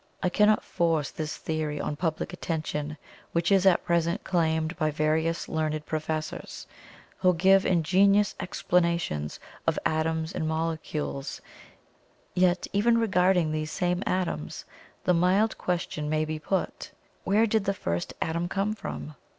I cannot force this theory on public attention, which is at present claimed by various learned professors, who give ingenious explanations of "atoms" and "molecules;" yet, even regarding these same "atoms," the mild question may be put: Where did the FIRST "atom" come from?